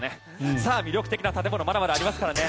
さあ、魅力的な建物まだまだありますからね。